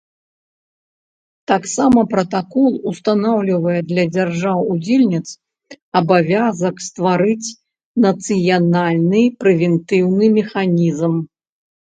Таксама пратакол устанаўлівае для дзяржаў-удзельніц абавязак стварыць нацыянальны прэвентыўны механізм.